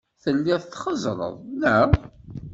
Telliḍ txeẓẓreḍ, neɣ?